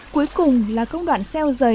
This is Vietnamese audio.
cuối cùng là công đoạn seo giấy